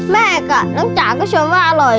แม่กับน้องจ๋าก็ชมว่าอร่อย